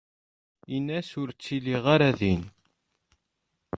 In-as ur ttiliɣ ara din.